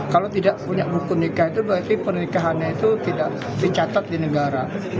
kalau tidak punya buku nikah itu berarti pernikahannya itu tidak dicatat di negara